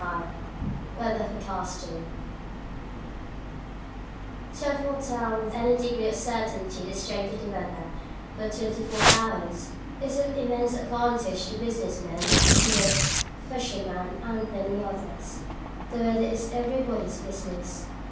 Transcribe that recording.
CHAPTER XXXV WEATHER FORECASTING To foretell with any degree of certainty the state of the weather for twenty four hours is of immense advantage to business men, tourists, fishermen, and many others. The weather is everybody's business.